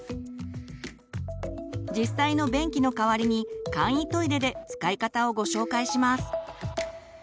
実際の便器の代わりに簡易トイレで使い方をご紹介します。